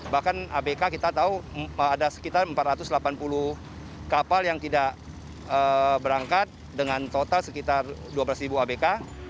bahkan abk kita tahu ada sekitar empat ratus delapan puluh kapal yang tidak berangkat dengan total sekitar dua belas abk